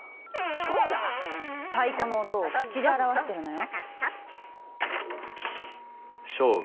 唱歌⁉太鼓の音を口で表してるのよ。